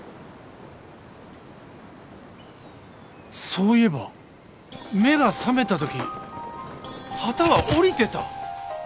そういえば目が覚めたとき旗は下りてた。